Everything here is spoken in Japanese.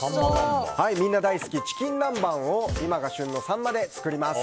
みんな大好きチキン南蛮を今が旬のサンマで作ります。